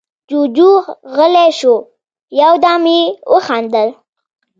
جُوجُو غلی شو، يو دم يې وخندل: